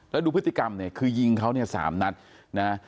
แล้วดูพฤติกรรมเนี่ยคือยิงเขาเนี่ย๓นัดนะ